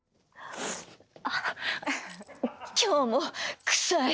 あっ今日もクサい！